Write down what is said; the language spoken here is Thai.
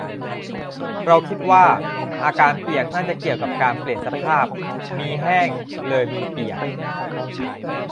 เราคิดว่า อาการเปียกน่าจะเกี่ยวกับการเปลี่ยนสภาพ มีแห้ง เลยมีเปียก